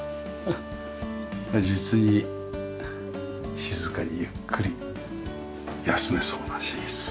実に静かにゆっくり休めそうな寝室。